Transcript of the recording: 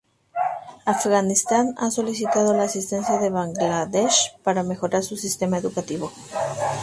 Afganistán ha solicitado la asistencia de Bangladesh para mejorar su sistema educativo.